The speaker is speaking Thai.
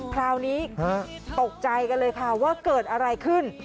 คราวนี้ตกใจกันเลยค่ะว่าเกิดอะไรขึ้น